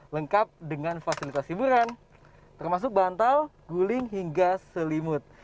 lengkap dengan fasilitas hiburan termasuk bantal guling hingga selimut